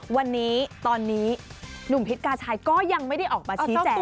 วันนี้ตอนนี้หนุ่มพิษกาชัยก็ยังไม่ได้ออกมาชี้แจง